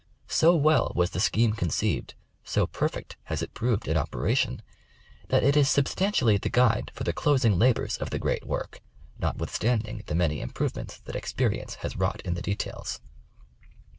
So well was the scheme conceived, so perfect has it proved in operation, that it is substantially the guide for the closing labors of the great work, notwithstanding the many improvements that experience has wrought in the details.